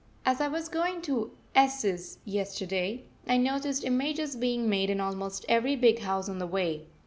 As I was going to S 's yesterday, I noticed images being made in almost every big house on the way.